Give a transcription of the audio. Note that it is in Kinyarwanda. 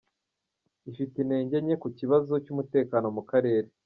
ifite intege nke ku kibazo cy’umutekano mu karere